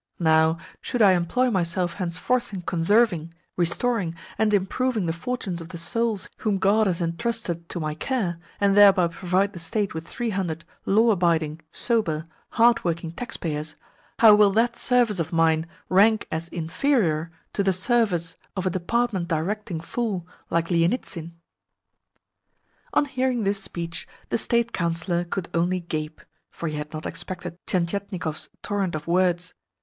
Now, should I employ myself henceforth in conserving, restoring, and improving the fortunes of the souls whom God has entrusted to my care, and thereby provide the State with three hundred law abiding, sober, hard working taxpayers, how will that service of mine rank as inferior to the service of a department directing fool like Lienitsin?" On hearing this speech, the State Councillor could only gape, for he had not expected Tientietnikov's torrent of words.